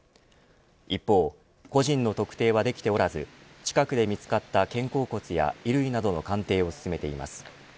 一方、個人の特定はできておらず近くで見つかった肩甲骨や衣類などの鑑定を進めています。